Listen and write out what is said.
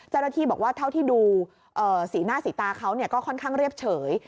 เจ้าหน้าที่บอกว่าเท่าที่ดูสีหน้าสีตาเขาก็ค่อนข้างเรียบเฉย